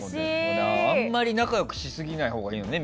あまり仲良くしすぎないほうがいいのね。